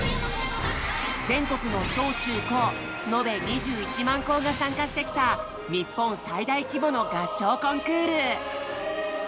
全国の小・中・高のべ２１万校が参加してきた日本最大規模の合唱コンクール！